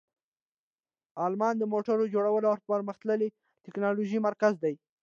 آلمان د موټر جوړولو او پرمختللې تکنالوژۍ مرکز دی.